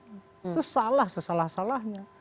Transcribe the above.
itu salah sesalah salahnya